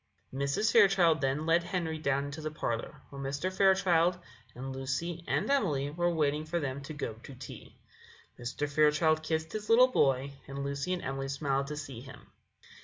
Mrs. Fairchild then led Henry down into the parlour, where Mr. Fairchild and Lucy and Emily were waiting for them to go to tea. Mr. Fairchild kissed his little boy, and Lucy and Emily smiled to see him.